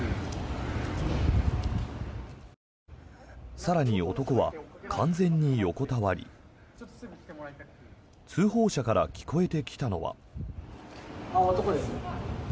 更に男は完全に横たわり通報者から聞こえてきたのは。